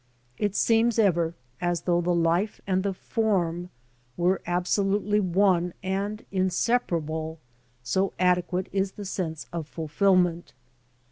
It seems ever as though the life and the form were absolutely one and in separable, so adequate is the sense of fulfilment.